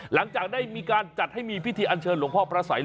หลังจากได้มีการจัดให้มีพิธีอันเชิญหลวงพ่อพระสัย